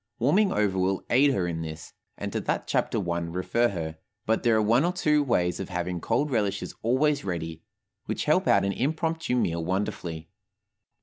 Warming over will aid her in this, and to that chapter I refer her; but there are one or two ways of having cold relishes always ready, which help out an impromptu meal wonderfully.